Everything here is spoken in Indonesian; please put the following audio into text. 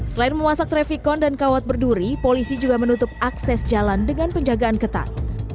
selain memasak trafikon dan kawat berduri polisi juga menutup akses jalan dengan penjagaan ketat